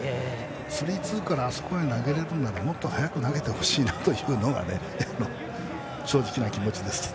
スリー、ツーであそこに投げられるなら、もっと早く投げてほしいなというのが正直な気持ちです。